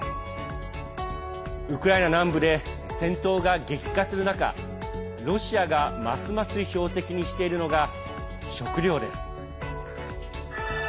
ウクライナ南部で戦闘が激化する中ロシアがますます標的にしているのが食料です。